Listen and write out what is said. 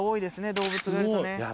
動物がいると。